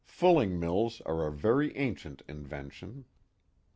Fulling mills are a very ancient in vention.